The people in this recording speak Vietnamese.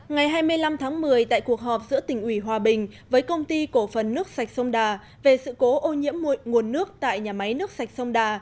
ngày hai mươi năm tháng một mươi tại cuộc họp giữa tỉnh ủy hòa bình với công ty cổ phần nước sạch sông đà về sự cố ô nhiễm nguồn nước tại nhà máy nước sạch sông đà